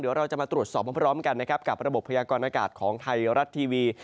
เดี๋ยวเราจะมาตรวจสอบพร้อมกันนะครับกับระบบพยากรณากาศของไทยรัฐทีวี